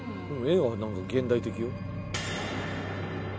絵は何か現代的よ